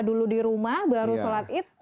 dulu di rumah baru sholat id